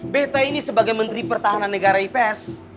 beta ini sebagai menteri pertahanan negara ips